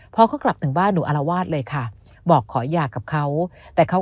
พอเขากลับถึงบ้านหนูอารวาสเลยค่ะบอกขอหย่ากับเขาแต่เขา